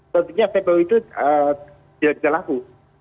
tentunya tpu itu tidak bisa laku